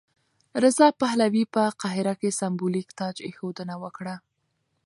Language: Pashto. رضا پهلوي په قاهره کې سمبولیک تاجاېښودنه وکړه.